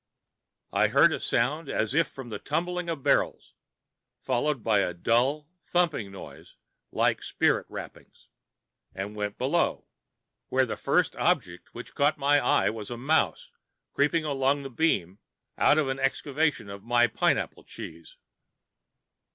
I heard a sound as if from the tumbling of barrels, followed by a dull, thumping noise, like spirit rappings, and went below, where the first object which met my eye was a mouse creeping along the beam out of an excavation in my pineapple cheese.